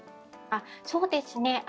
そうですね。